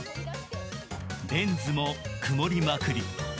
レンズも曇りまくり。